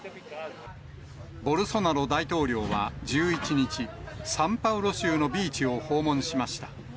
ボルソナロ大統領は１１日、サンパウロ州のビーチを訪問しました。